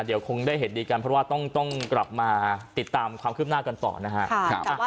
เดี๋ยวคงได้เห็นดีกันเพราะว่าต้องกลับมาติดตามความคืบหน้ากันต่อนะฮะ